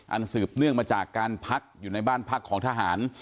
สืบเนื่องมาจากการพักอยู่ในบ้านพักของทหาร